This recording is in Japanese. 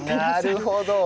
なるほど。